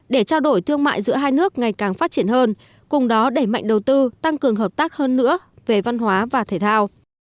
để trao đổi thương mại giữa hai nước ngày càng phát triển hơn cùng đó đẩy mạnh đầu tư tăng cường hợp tác hơn nữa về văn hóa và thể thao